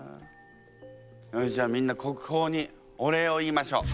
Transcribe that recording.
よしじゃあみんな国宝にお礼を言いましょう。